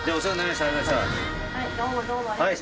はい。